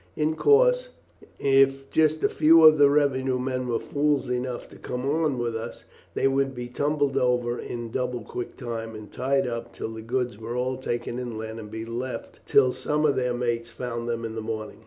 In course, if just a few of the revenue men were fools enough to come on us, they would be tumbled over in double quick time, and tied up till the goods were all taken inland, and be left till some of their mates found them in the morning.